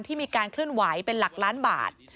มีการเคลื่อนไหวเป็นหลักล้านบาท